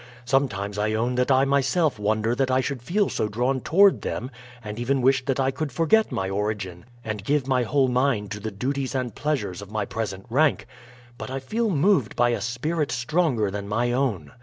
Sometimes I own that I myself wonder that I should feel so drawn toward them, and even wish that I could forget my origin and give my whole mind to the duties and pleasures of my present rank; but I feel moved by a spirit stronger than my own.